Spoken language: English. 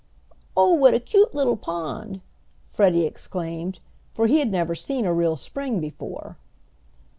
"Oh, what a cute little pond!" Freddie exclaimed, for he had never seen a real spring before.